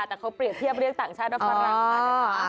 แต่เขาเปรียบเทียบเรียกต่างชาติว่าฝรั่งมานะคะ